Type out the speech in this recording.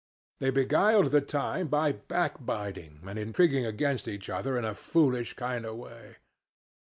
They beguiled the time by backbiting and intriguing against each other in a foolish kind of way.